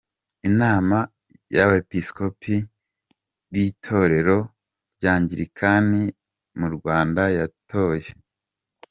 Inama y’Abepiskopi b’Itorero ry’Angilikani mu Rwanda yatoye Rev.